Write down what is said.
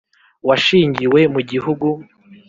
washingiwe mu gihugu.